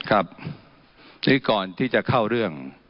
ครับนี่ก่อนที่จะเข้าเรื่อง